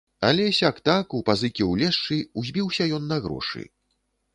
Але сяк-так, у пазыкі ўлезшы, узбіўся ён на грошы.